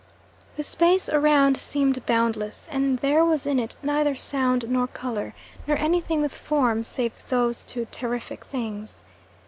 The space around seemed boundless, and there was in it neither sound nor colour, nor anything with form, save those two terrific things.